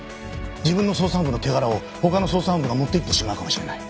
自分の捜査本部の手柄を他の捜査本部が持っていってしまうかもしれない。